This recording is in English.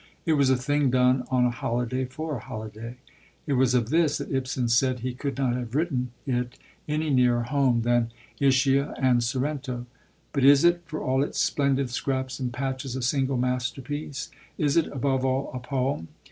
It was a thing done on a holiday, for a holiday. It was of this that Ibsen said he could not have written it any nearer home than Ischia and Sorrento. But is it, for all its splendid scraps and patches, a single masterpiece? is it, above all, a poem?